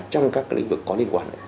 trong các cái lĩnh vực có liên quan